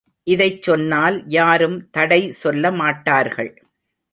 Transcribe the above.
இதைச் சொன்னால் யாரும் தடை சொல்லமாட்டார்கள்.